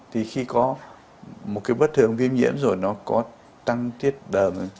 thì khi có một cái bất thường viêm nhiễm rồi nó có tăng tiết đờm